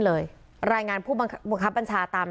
มีกล้วยติดอยู่ใต้ท้องเดี๋ยวพี่ขอบคุณ